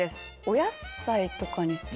お野菜とかに近い。